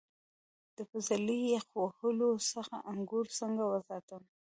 د پسرلي یخ وهلو څخه انګور څنګه وساتم؟